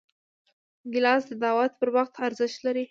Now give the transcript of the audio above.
ګیلاس د دعوت پر وخت ارزښت لري.